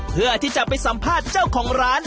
เพื่อที่จะไปสัมภาษณ์เจ้าของร้าน